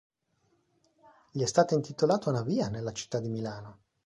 Gli è stata intitolata una via nella città di Milano.